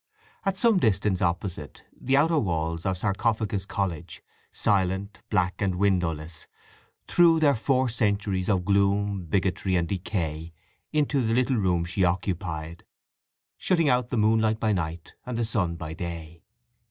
At some distance opposite, the outer walls of Sarcophagus College—silent, black, and windowless—threw their four centuries of gloom, bigotry, and decay into the little room she occupied, shutting out the moonlight by night and the sun by day.